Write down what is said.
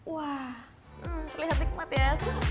wah terlihat nikmat ya